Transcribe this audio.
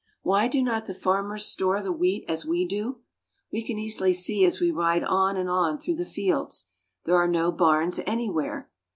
Why do not the farmers store the wheat as we do.'' We can easily see as we ride on and on through the fields There are no barns anywhere